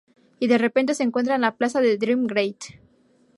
Y de repente se encuentra en la plaza de Dream Gate.